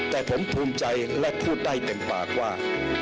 แต่ผมภูมิใจและพูดได้เต็มปากว่า